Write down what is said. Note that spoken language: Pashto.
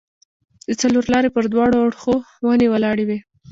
د څلورلارې پر دواړو اړخو ونې ولاړې وې.